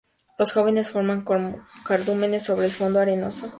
Los jóvenes forman cardúmenes sobre el fondo arenoso.